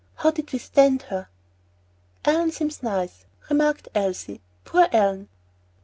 How did we stand her?" "Ellen seems nice," remarked Elsie, "Poor Ellen!"